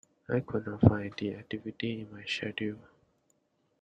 I could not find the activity in my Schedule.